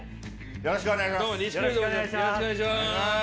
よろしくお願いします。